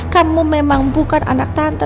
kamu memang bukan anak tante